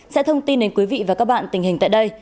sẽ thông tin đến quý vị và các bạn tình hình tại đây